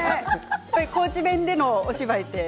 高知弁でのお芝居は？